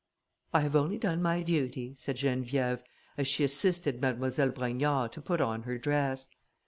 "I have only done my duty," said Geneviève, as she assisted Mademoiselle Brogniard to put on her dress.